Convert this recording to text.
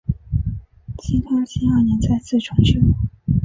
清康熙二年再次重修。